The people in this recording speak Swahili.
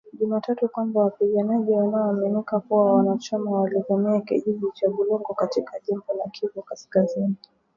Jumatatu kwamba wapiganaji wanaoaminika kuwa wanachama walivamia kijiji cha Bulongo katika jimbo la Kivu kaskazini,